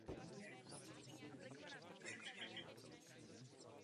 Zájemců o vystěhování bylo mnoho.